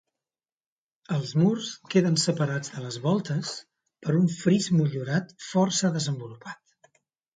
Els murs queden separats de les voltes per un fris motllurat força desenvolupat.